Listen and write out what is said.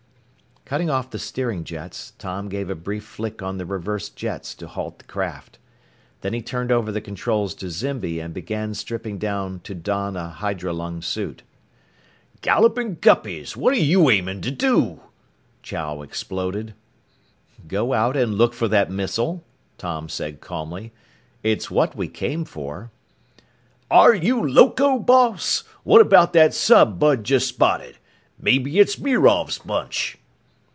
Cutting off the steering jets, Tom gave a brief flick on the reverse jets to halt the craft. Then he turned over the controls to Zimby and began stripping down to don a hydrolung suit. "Gallopin' guppies! What're you aimin' to do?" Chow exploded. "Go out and look for that missile," Tom said calmly. "It's what we came for." "Are you loco, boss? What about that sub Bud just spotted? Mebbe it's Mirov's bunch!"